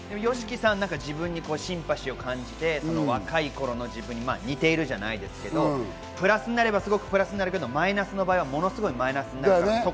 ＹＯＳＨＩＫＩさんは自分にシンパシーを感じて、若い頃の自分に似ているじゃないですけど、プラスになればすごくプラスになるけど、マイナスはものすごいマイナスになると。